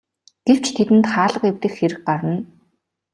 Гэвч тэдэнд хаалга эвдэх хэрэг гарна.